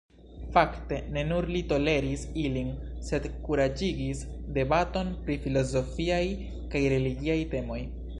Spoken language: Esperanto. Fakte, ne nur li toleris ilin, sed kuraĝigis debaton pri filozofiaj kaj religiaj temoj.